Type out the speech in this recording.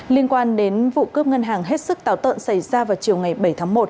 liên quan đến vụ cướp ngân hàng hết sức táo tợn xảy ra vào chiều ngày bảy tháng một